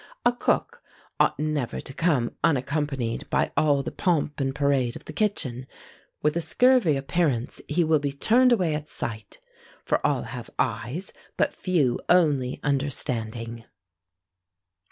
A cook ought never to come unaccompanied by all the pomp and parade of the kitchen: with a scurvy appearance, he will be turned away at sight; for all have eyes, but few only understanding.